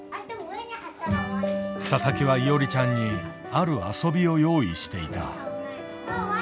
佐々木はいおりちゃんにある遊びを用意していた。